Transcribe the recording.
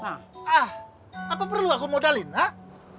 ah apa perlu aku modalin ak